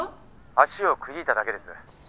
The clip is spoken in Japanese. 「足をくじいただけです」